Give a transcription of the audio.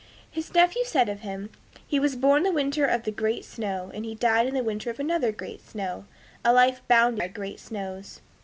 His nephew said of him, "He was born the winter of the great snow, and he died in the winter of another great snow, a life bounded by great snows."